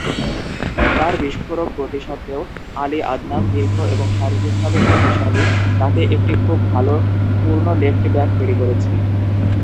তার বিস্ফোরক গতি সত্ত্বেও, আলী আদনান দীর্ঘ এবং শারীরিকভাবে শক্তিশালী, তাকে একটি খুব ভাল পূর্ণ লেফট ব্যাক তৈরী করেছে।